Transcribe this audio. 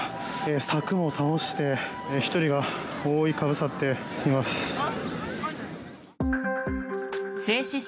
柵も倒して１人が覆いかぶさっています。